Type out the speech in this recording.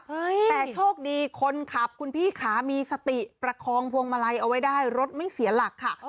แต่โชคดีคนขับคุณพี่ขามีสติประคองพวงมาลัยเอาไว้ได้รถไม่เสียหลักค่ะ